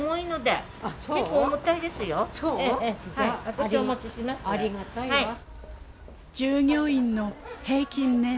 ありがたいわ。